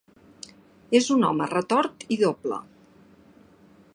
És un home retort i doble.